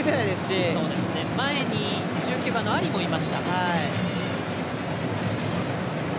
前に１９番のアリもいました。